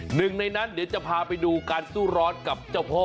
หนึ่งในนั้นเดี๋ยวจะพาไปดูการสู้ร้อนกับเจ้าพ่อ